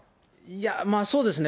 いや、まあそうですね。